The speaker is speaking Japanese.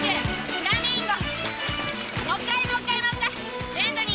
フラミンゴ！